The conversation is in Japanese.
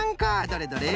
どれどれ。